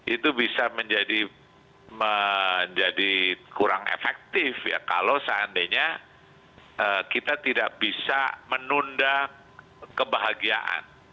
itu bisa menjadi kurang efektif ya kalau seandainya kita tidak bisa menunda kebahagiaan